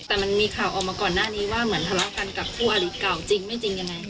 แต่มันมีข่าวออกมาก่อนหน้านี้ว่าเหมือนทะเลาะกันกับคู่อริเก่าจริงไม่จริงยังไง